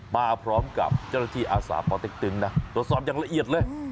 มาพร้อมกับเจ้าหน้าที่อาสาปอเต็กตึงนะตรวจสอบอย่างละเอียดเลย